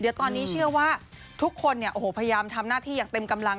เดี๋ยวตอนนี้เชื่อว่าทุกคนเนี่ยโอ้โหพยายามทำหน้าที่อย่างเต็มกำลัง